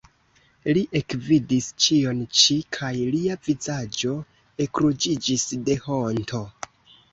Li ekvidis ĉion ĉi, kaj lia vizaĝo ekruĝiĝis de honto.